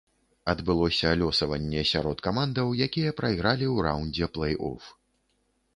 Адбылося лёсаванне сярод камандаў, якія прайгралі ў раўндзе плэй-оф.